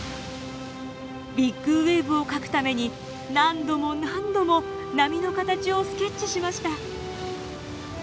ビッグウエーブを描くために何度も何度も波の形をスケッチしました。